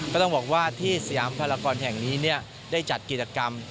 ก็ต้องบอกว่าที่สยามภารกรแห่งนี้ได้จัดกิจกรรม